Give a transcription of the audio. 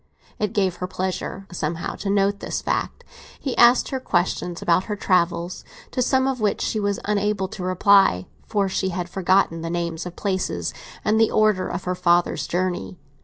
It gave her pleasure, somehow, to note this fact. He asked her questions about her travels, to some of which she was unable to reply, for she had forgotten the names of places, and the order of her father's journey.